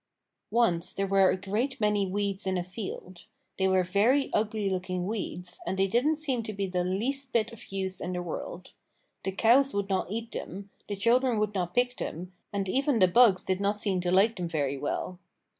Once there were a great many weeds in a field. They were very ugly looking weeds, and they didn't seem to be the least bit of use in the world. The cows would not eat them, the children would not pick them, and even the bugs did not seem to like them very well.